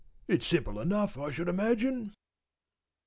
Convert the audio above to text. It's simple enough, I should imagine.